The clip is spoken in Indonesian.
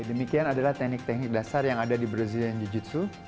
demikian adalah teknik teknik dasar yang ada di brazilian jiu jitsu